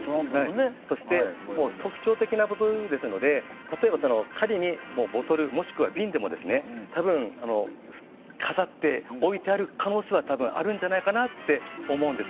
そして特徴的ですので例えば仮にボトルもしくは瓶でも多分、飾って置いてある可能性はあるんじゃないかなと思うんです。